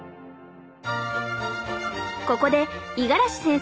ここで五十嵐先生